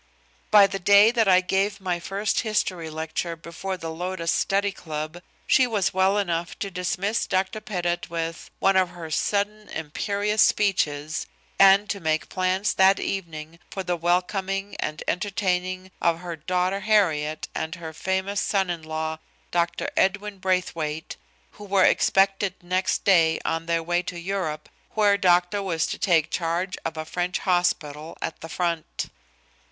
By the day that I gave my first history lecture before the Lotus Study Club she was well enough to dismiss Dr. Pettit with, one of her sudden imperious speeches, and to make plans that evening for the welcoming and entertaining of her daughter Harriet and her famous son in law Dr. Edwin Braithwaite, who were expected next day on their way to Europe, where Doctor was to take charge of a French hospital at the front.